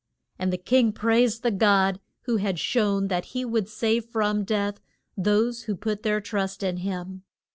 And the king praised the God who had shown that he would save from death those who put their trust in him.